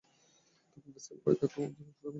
তখন প্যাসকেলের বাড়িতে আক্রমণ চালাতে পারব।